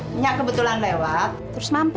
minya kebetulan lewat